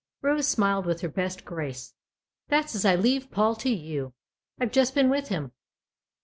Rose smiled with her best grace. " That's as I leave Paul to you. I've just been with him."